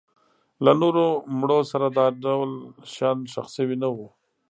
له نورو مړو سره دا ډول شیان ښخ شوي نه وو.